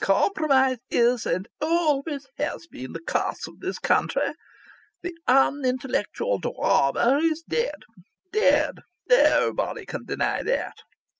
Compromise is and always has been the curse of this country. The unintellectual drahma is dead dead. Naoobody can deny that.